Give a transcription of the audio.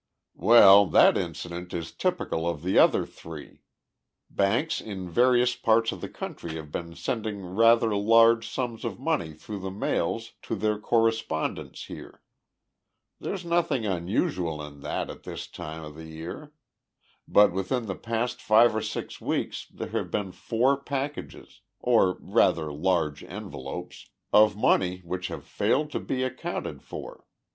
"Well, that incident is typical of the other three. Banks in various parts of the country have been sending rather large sums of money through the mails to their correspondents here. There's nothing unusual in that at this time of the year. But within the past five or six weeks there have been four packages or, rather, large envelopes of money which have failed to be accounted for.